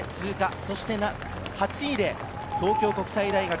そして８位で東京国際大学。